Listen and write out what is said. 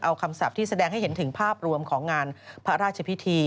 เอาคำศัพท์ที่แสดงให้เห็นถึงภาพรวมของงานพระราชพิธี